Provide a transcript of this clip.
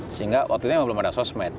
sehingga waktu itu memang belum ada sosmed